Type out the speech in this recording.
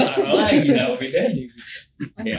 taruh lagi nggak apa bedanya